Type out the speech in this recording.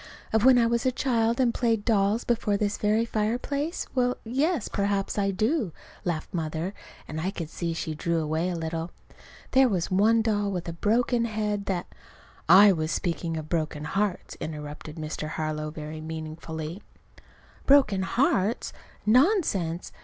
"Of when I was a child and played dolls before this very fireplace? Well, yes, perhaps I do," laughed Mother. And I could see she drew away a little. "There was one doll with a broken head that " "I was speaking of broken hearts," interrupted Mr. Harlow, very meaningfully. "Broken hearts! Nonsense!